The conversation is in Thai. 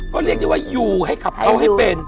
ก็เรียกได้ว่าอยู่ให้ขับเอาให้เป็น